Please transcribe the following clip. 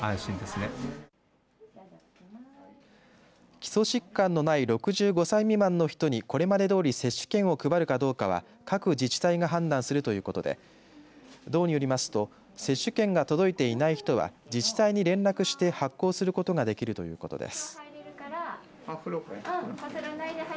基礎疾患のない６５歳未満の人にこれまでどおり接種券を配るかどうかは各自治体が判断するということで道によりますと接種券が届いていない人は自治体に連絡して発行することができるということです。